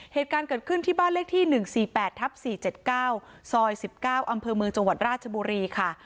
เหตุการณ์เกิดขึ้นที่บ้านเลขที่๑๔๘ทับ๔๗๙ซอย๑๙อำเภอเมืองจังหวัดราชบุรีค่ะ